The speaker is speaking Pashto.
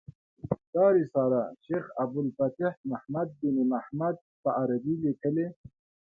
دا رساله شیخ ابو الفتح محمد بن محمد په عربي لیکلې.